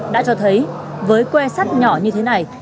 đã cho thấy với que sắt nhỏ như thế này